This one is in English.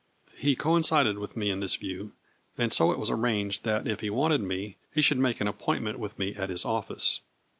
He coincided with me in this view, and so it was arranged that if he wanted me he should make an appointment with me at his office.